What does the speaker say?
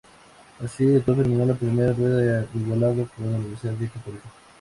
Así, el club terminó la primera rueda igualado con Universidad Católica.